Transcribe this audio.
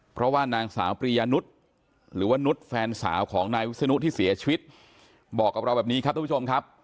เพราะว่านางสาวปริยานุษย์หรือว่านุษย์แฟนสาวของนายวิศนุที่เสียชีวิตบอกกับเราแบบนี้ครับทุกผู้ชมครับ